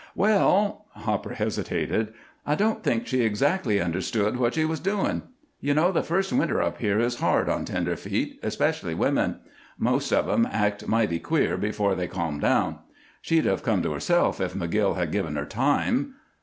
"Well " Hopper hesitated. "I don't think she exactly understood what she was doin'. You know the first winter up here is hard on tenderfeet, especially women. Most of 'em act mighty queer before they ca'm down. She'd have come to herself if McGill had given her time."